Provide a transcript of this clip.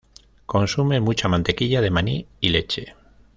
Consume mucha mantequilla de maní y leche.